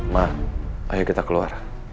ma ayo kita keluar